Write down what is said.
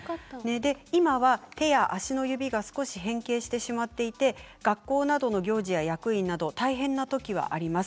今は手足の指が少し変形していて学校行事や役員など大変なときはあります。